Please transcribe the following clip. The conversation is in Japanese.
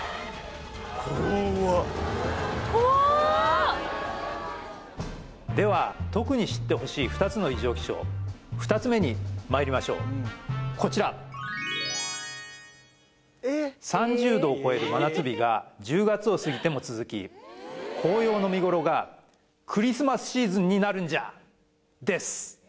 怖では特に知ってほしい２つの異常気象２つ目にまいりましょうこちら３０度を超える真夏日が１０月を過ぎても続き紅葉の見頃がクリスマスシーズンになるんじゃ！です